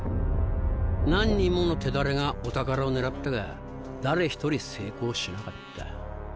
何人もの手だれがお宝を狙ったが誰一人成功しなかった。